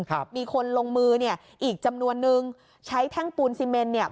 ครับมีคนลงมือเนี่ยอีกจำนวนนึงใช้แท่งปูนซีเมนเนี่ย